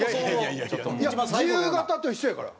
いや自由形と一緒やから。